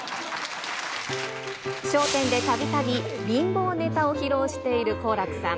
笑点でたびたび貧乏ネタを披露している好楽さん。